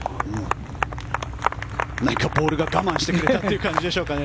ボールが我慢してくれたって感じでしょうかね。